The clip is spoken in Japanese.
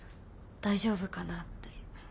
大丈夫かなって。